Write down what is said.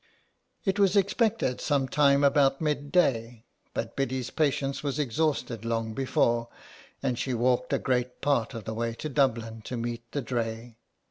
It was expected some time about mid day, but Biddy's patience was exhausted long before, and she walked a great part of the way to Dublin to meet the dray.